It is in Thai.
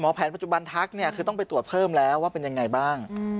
แผนปัจจุบันทักเนี่ยคือต้องไปตรวจเพิ่มแล้วว่าเป็นยังไงบ้าง